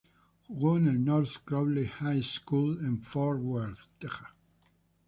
Jugó en el North Crowley High School en Fort Worth, Texas.